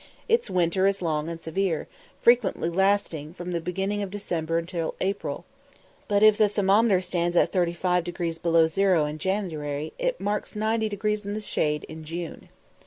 Its winter is long and severe, frequently lasting from the beginning of December until April; but, if the thermometer stands at 35° below zero in January, it marks 90° in the shade in June.